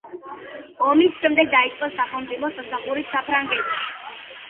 ომის შემდეგ დაიწყო სახელმწიფო სამსახური საფრანგეთში.